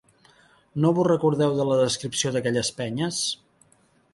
No vos recordeu de la descripció d'aquelles penyes?